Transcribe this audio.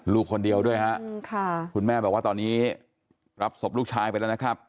ลูกคนเดียวด้วยฮะคุณแม่บอกว่าตอนนี้รับศพลูกชายไปแล้วนะครับ